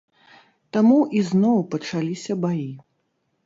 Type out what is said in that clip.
Таму ізноў пачаліся баі.